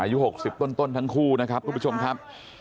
อายุ๖๐ต้นทั้งคู่นะครับทุกผู้ชมครับ